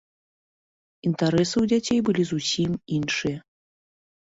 Інтарэсы ў дзяцей былі зусім іншыя.